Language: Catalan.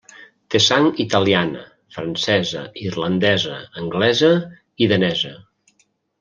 Té sang italiana, francesa, irlandesa, anglesa i danesa.